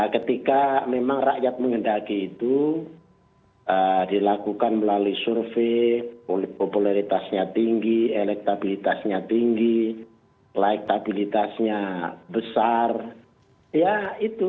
ketika memang rakyat menghendaki itu dilakukan melalui survei popularitasnya tinggi elektabilitasnya tinggi elektabilitasnya besar ya itu